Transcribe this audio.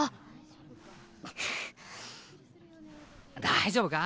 大丈夫か？